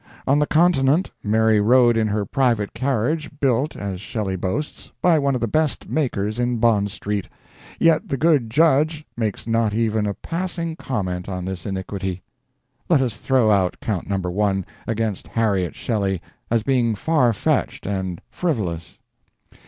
On the Continent Mary rode in her private carriage, built, as Shelley boasts, "by one of the best makers in Bond Street," yet the good judge makes not even a passing comment on this iniquity. Let us throw out Count No. 1 against Harriet Shelley as being far fetched, and frivolous.